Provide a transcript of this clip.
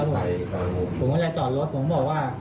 ผมก็จะจอดรถผมบอกว่า